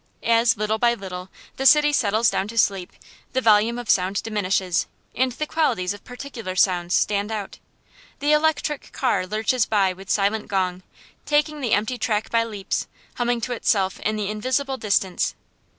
As, little by little, the city settles down to sleep, the volume of sound diminishes, and the qualities of particular sounds stand out. The electric car lurches by with silent gong, taking the empty track by leaps, humming to itself in the invisible distance.